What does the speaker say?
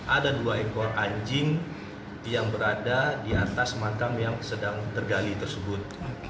ada dua ekor anjing yang berada di atas makam yang sedang tergali tersebut